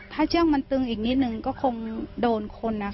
ถ้าเชื่องมันตึงอีกนิดนึงก็คงโดนคนนะคะ